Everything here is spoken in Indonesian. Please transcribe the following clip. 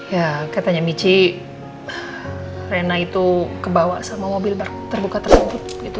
ya katanya michi reina itu kebawa sama mobil bak terbuka terlalu gitu